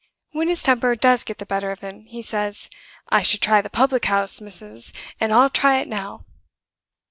When his temper does get the better of him, he says, 'I should try the public house, missus; and I'll try it now.